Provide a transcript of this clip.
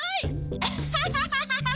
アッハハハハ！